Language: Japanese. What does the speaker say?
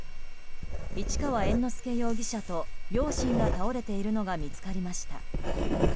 市川猿之助容疑者と両親が倒れているのが見つかりました。